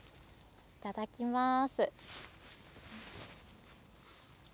いただきます。